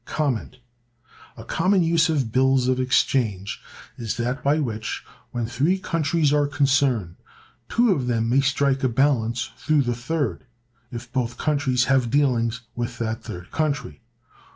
A common use of bills of exchange is that by which, when three countries are concerned, two of them may strike a balance through the third, if both countries have dealings with that third country.